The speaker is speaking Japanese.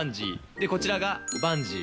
で、こちらがバンジー。